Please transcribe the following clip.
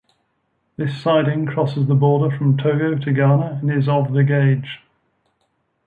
This siding crosses the border from Togo to Ghana and is of the gauge.